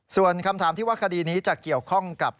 ส่วนคำถามที่ว่าคดีนี้จะเกี่ยวข้องกับ